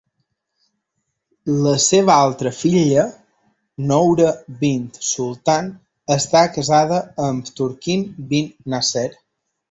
La seva altra filla, Noura bint Sultan, està casada amb Turki bin Nasser.